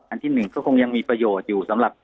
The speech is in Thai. อันที่๑ก็คงยังมีประโยชน์อยู่สำหรับ